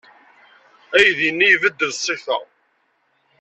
Aydi-nni ibeddel ṣṣifa.